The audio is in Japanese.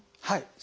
はい。